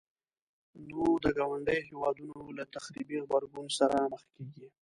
نو د ګاونډيو هيوادونو له تخريبي غبرګون سره مخ کيږي.